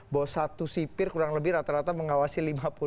bahwa satu sipir kurang lebih rata rata mengawasi lima puluh enam